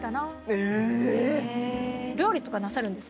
え！